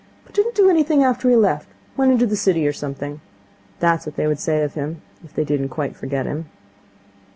But didn't do anything after he left. Went into the city or something.' That was what they would say of him, if they didn't quite forget him.